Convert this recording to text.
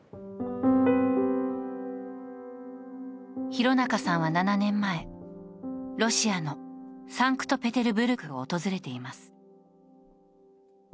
廣中さんは７年前ロシアのサンクトペテルブルクを訪れています